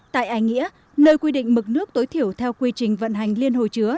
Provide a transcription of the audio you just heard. tại ải nghĩa nơi quy định mực nước tối thiểu theo quy trình vận hành liên hồ chứa